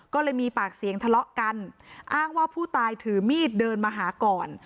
ก็เลยมีปากเสียงทะเลาะกันอ้างว่าผู้ตายถือมีดเดินมาหาก่อน